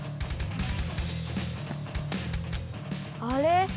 あれ？